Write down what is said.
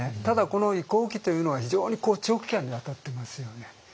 ただこの移行期というのは非常に長期間にわたっていますよね。